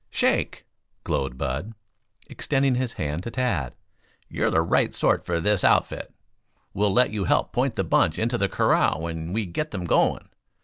"Shake," glowed Bud, extending his hand to Tad. "You're the right sort for this outfit. We'll let you help point the bunch into the corral when we get them going.